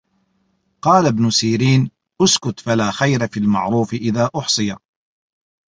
فَقَالَ ابْنُ سِيرِينَ اُسْكُتْ فَلَا خَيْرَ فِي الْمَعْرُوفِ إذَا أُحْصِيَ